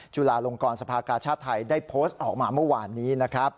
จุฬาลงกรสภากาชาติไทยได้โพสต์ออกมาเมื่อวานนี้นะครับ